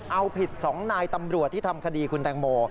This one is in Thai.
เอาผิด๒นายตำรวจที่ทำคดีคุณแตงโม